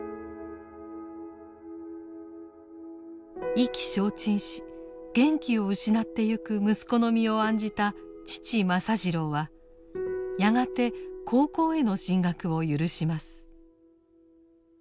意気消沈し元気を失ってゆく息子の身を案じた父政次郎はやがて高校への進学を許します。